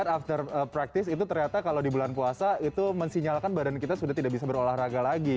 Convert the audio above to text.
after practice itu ternyata kalau di bulan puasa itu mensinyalkan badan kita sudah tidak bisa berolahraga lagi